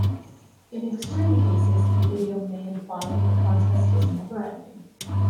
In extreme cases, the idiom may imply that the contest is never-ending.